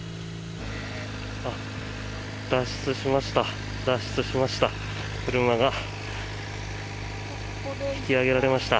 脱出しました。